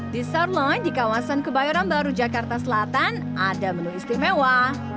di sarmon di kawasan kebayoran baru jakarta selatan ada menu istimewa